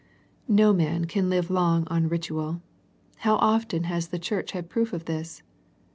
No man can live long on ritual. How often has the Church had proof of this.